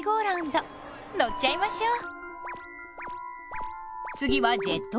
これも乗っちゃいましょう。